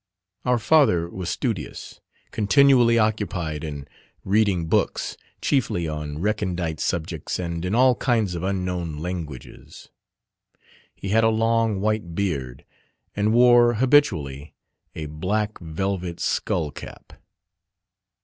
Our father was studious, continually occupied in reading books, chiefly on recondite subjects and in all kinds of unknown languages. He had a long white beard, and wore habitually a black velvet skull cap.